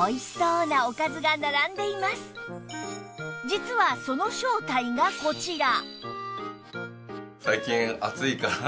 実はその正体がこちら